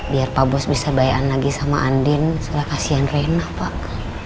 biar pak bos bisa bayan lagi sama andin sudah kasihan rena pak